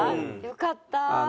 よかった。